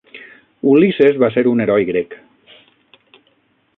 Ulisses va ser un heroi grec.